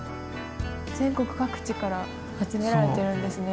全国各地から集められてるんですね。